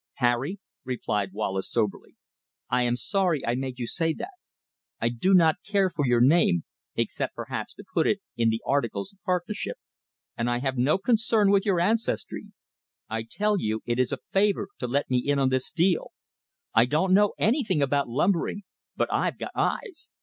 "Harry," replied Wallace soberly, "I am sorry I made you say that. I do not care for your name except perhaps to put it in the articles of partnership, and I have no concern with your ancestry. I tell you it is a favor to let me in on this deal. I don't know anything about lumbering, but I've got eyes.